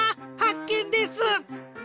はっけんです！